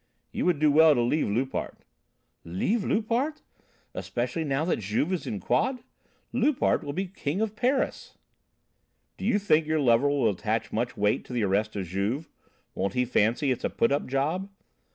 "You would do well to leave Loupart." "Leave Loupart? Especially now that Juve is in quod, Loupart will be the King of Paris!" "Do you think your lover will attach much weight to the arrest of Juve? Won't he fancy it's a put up job?"